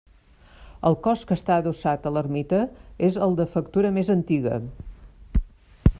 El cos que està adossat a l'ermita, és el de factura més antiga.